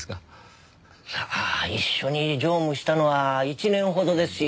一緒に乗務したのは１年ほどですし。